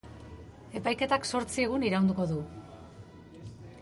Epaiketak zortzi egun iraungo du.